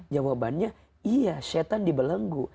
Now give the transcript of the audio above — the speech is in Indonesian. jawabannya iya syetan dibelenggu